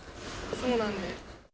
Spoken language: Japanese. そうなんです。